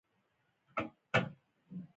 د بمب ایښودلو په قضیه کې تورن شوي.